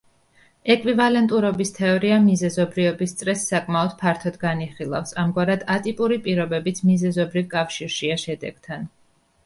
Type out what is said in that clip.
ეკვივალენტურობის თეორია მიზეზობრიობის წრეს საკმაოდ ფართოდ განიხილავს, ამგვარად ატიპური პირობებიც მიზეზობრივ კავშირშია შედეგთან.